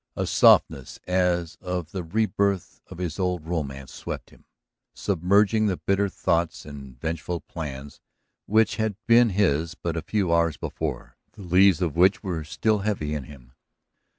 A softness, as of the rebirth of his old romance, swept him, submerging the bitter thoughts and vengeful plans which had been his but a few hours before, the lees of which were still heavy in him.